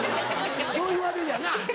そう言われりゃな。